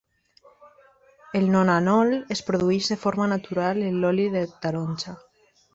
El nonanol es produeix de forma natural en l'oli de taronja.